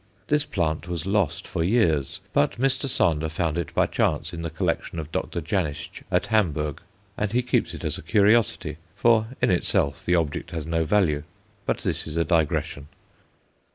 This plant was lost for years, but Mr. Sander found it by chance in the collection of Dr. Janisch at Hamburg, and he keeps it as a curiosity, for in itself the object has no value. But this is a digression.